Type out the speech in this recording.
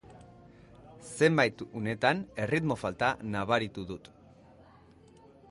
Zenbait unetan erritmo falta nabaritu dut.